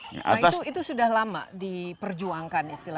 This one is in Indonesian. nah itu sudah lama diperjuangkan istilahnya